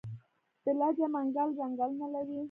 د لجه منګل ځنګلونه لري